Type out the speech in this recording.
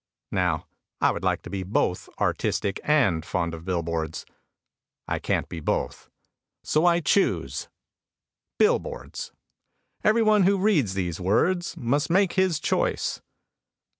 Now, I would like to be both artistic and fond of billboards. I can't be both. So I choose billboards. Everyone who reads these words must make his choice.